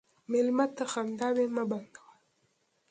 مېلمه ته خنداوې مه بندوه.